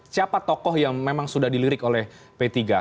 siapa tokoh yang memang sudah dilirik oleh p tiga